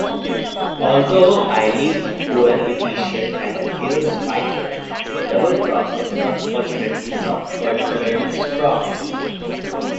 Although highly fuel efficient and a fierce fighter, Doublecross is unfortunately not particularly strong.